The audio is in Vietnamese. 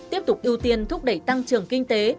tiếp tục ưu tiên thúc đẩy tăng trưởng kinh tế